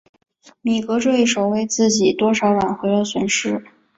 米格这一手为自己多少挽回了损失。